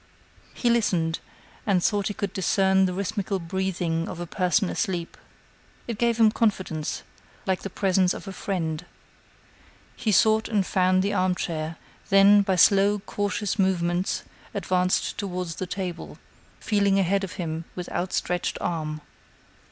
He listened, and thought he could discern the rhythmical breathing of a person asleep. It gave him confidence, like the presence of a friend. He sought and found the armchair; then, by slow, cautious movements, advanced toward the table, feeling ahead of him with outstretched arm.